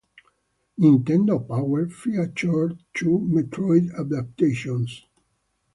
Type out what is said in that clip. "Nintendo Power" featured two "Metroid" adaptations.